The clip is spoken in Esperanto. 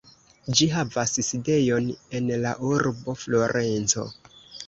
Ĝi havas sidejon en la urbo Florenco.